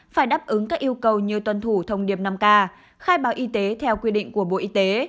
phải đáp ứng các yêu cầu như tuân thủ thông điệp năm k khai báo y tế theo quy định của bộ y tế